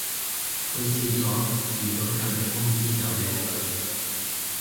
去廁所遇到隔離公司有靚女